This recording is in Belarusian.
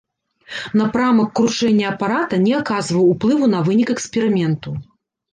Напрамак кручэння апарата не аказваў уплыву на вынік эксперыменту.